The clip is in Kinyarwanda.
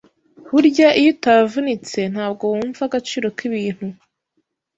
burya iyo utavunitse ntabwo wumva agaciro k’ibintu